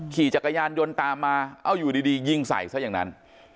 ขี่จักรยานยนต์ตามมาเอ้าอยู่ดียิงใส่ซะอย่างนั้น